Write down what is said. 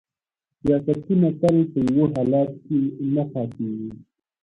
سیاستونه تل په یو حالت کې نه پاتیږي